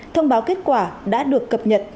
thông báo kết quả đã được cập nhật